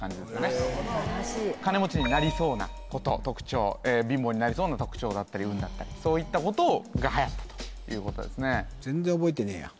素晴らしい金持ちになりそうなこと特徴貧乏になりそうな特徴だったり運だったりそういったことがはやったということですね